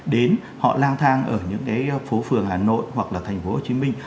đến họ lang thang ở những cái phố phường hà nội hoặc là thành phố hồ chí minh